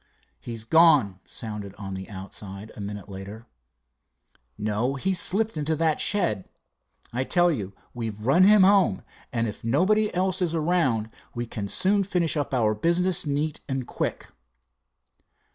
"He's gone," sounded on the outside, a minute later. "No, he's slipped into that shed. I tell you we've run him home, and if nobody else is around we can soon finish up our business neat and quick."